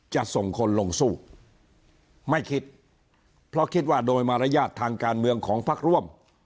จะส่งคนลงสู้ไม่คิดเพราะคิดว่าโดยมารยาททางการเมืองของพักร่วม